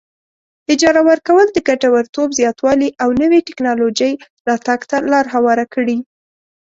اجاره ورکول د ګټورتوب زیاتوالي او نوې ټیکنالوجۍ راتګ ته لار هواره کړي.